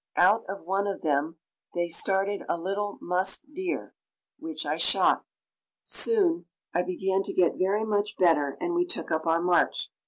Out of one of them they started a little musk deer, which I shot. Soon I began to get very much better and we took up our march.